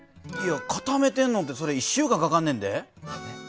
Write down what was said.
固めてんのってそれ１週間かかんねんで。